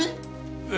ええ。